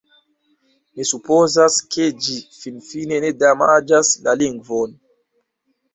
Mi supozas, ke ĝi finfine ne damaĝas la lingvon.